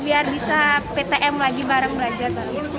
biar bisa ptm lagi bareng belajar